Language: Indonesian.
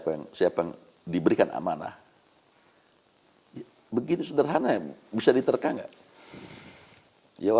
yang dalam hal palku